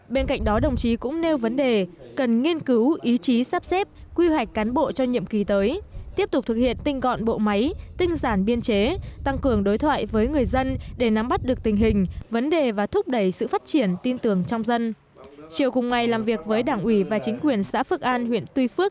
bên cạnh đó đồng chí cũng nêu vấn đề cần nghiên cứu ý chí sắp xếp quy hoạch cán bộ cho nhiệm kỳ tới tiếp tục thực hiện tinh gọn bộ máy tinh giản biên chế tăng cường đối thoại với người dân để nắm bắt được tình hình và thúc đẩy sự phát triển tin tưởng trong dân